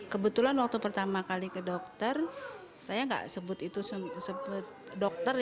kebetulan waktu pertama kali ke dokter saya nggak sebut itu sebut dokter